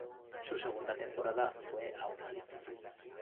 Su segunda temporada fue aún más difícil.